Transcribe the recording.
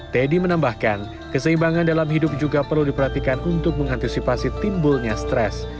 teddy menambahkan keseimbangan dalam hidup juga perlu diperhatikan untuk mengantisipasi timbulnya stres